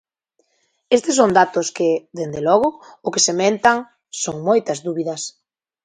Estes son datos que, desde logo, o que sementan son moitas dúbidas.